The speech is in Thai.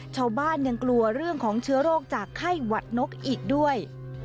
ชาวบ้านยังกลัวเรื่องของเชื้อโรคจากไข้หวัดนกอีกด้วย